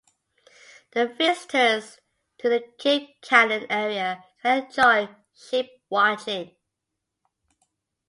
The visitors to the Cape Kannon area can enjoy "Ship watching".